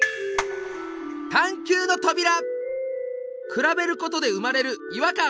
比べることで生まれる違和感。